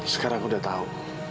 sekarang aku udah tahu